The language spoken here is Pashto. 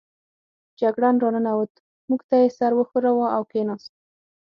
جګړن را ننوت، موږ ته یې سر و ښوراوه او کېناست.